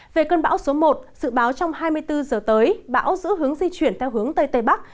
về cơn bão số một dự báo trong hai mươi bốn giờ tới bão giữ hướng di chuyển theo hướng tây tây bắc